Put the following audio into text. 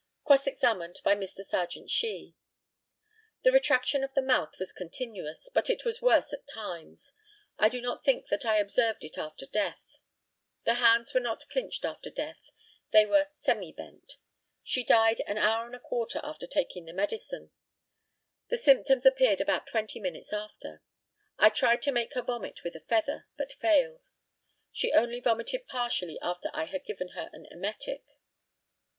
Cross examined by Mr. Serjeant SHEE: The retraction of the mouth was continuous, but it was worse at times. I do not think that I observed it after death. The hands were not clinched after death they were "semi bent." She died an hour and a quarter after taking the medicine. The symptoms appeared about twenty minutes after. I tried to make her vomit with a feather, but failed. She only vomited partially after I had given her an emetic.